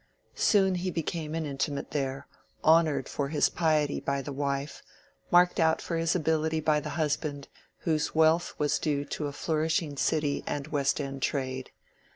Soon he became an intimate there, honored for his piety by the wife, marked out for his ability by the husband, whose wealth was due to a flourishing city and west end trade.